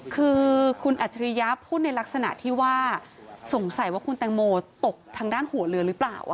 คือคุณอัจฉริยะพูดในลักษณะที่ว่าสงสัยว่าคุณแตงโมตกทางด้านหัวเรือหรือเปล่า